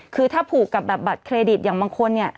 คือถ้าผูกกับแบบบัตรเครดิตอย่างบางคนเนี่ย